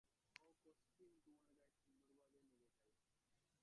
ওর costume তোমার গায়ে সুন্দরভাবে লেগে যাবে।